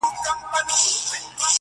جانان ستا وي او په برخه د بل چا سي,